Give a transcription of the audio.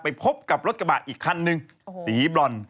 พบกับรถกระบะอีกคันนึงสีบรอน